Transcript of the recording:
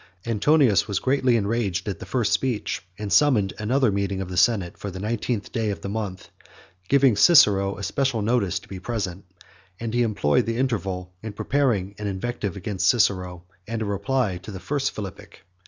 Antonius was greatly enraged at the first speech, and summoned another meeting of the senate for the nineteenth day of the month, giving Cicero especial notice to be present, and he employed the interval in preparing an invective against Cicero, and a reply to the first Philippic.